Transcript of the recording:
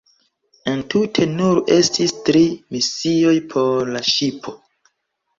Entute nur estis tri misioj por la ŝipo.